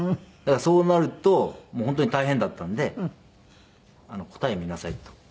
だからそうなるともう本当に大変だったので「答え見なさい」と。